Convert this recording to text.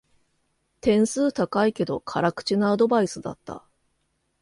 点数高いけど辛口なアドバイスだった